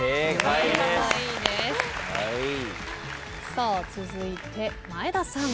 さあ続いて前田さん。